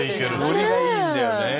ノリがいいんだよね。